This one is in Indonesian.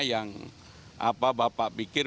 yang apa bapak pikir